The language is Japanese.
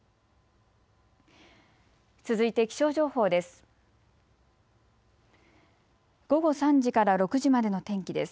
続いて気象情報です。